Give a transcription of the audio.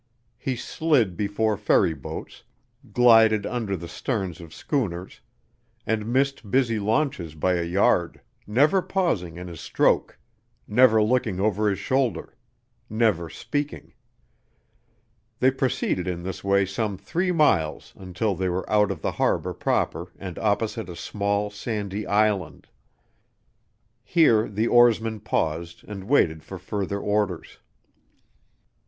He slid before ferry boats, gilded under the sterns of schooners, and missed busy launches by a yard, never pausing in his stroke, never looking over his shoulder, never speaking. They proceeded in this way some three miles until they were out of the harbor proper and opposite a small, sandy island. Here the oarsman paused and waited for further orders.